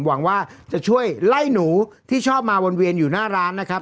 หวังว่าจะช่วยไล่หนูที่ชอบมาวนเวียนอยู่หน้าร้านนะครับ